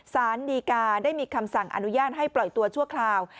สารดีกาได้มีคำสั่งอนุญาตให้ปล่อยตัวชั่วคราว